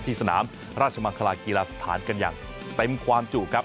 สนามราชมังคลากีฬาสถานกันอย่างเต็มความจุครับ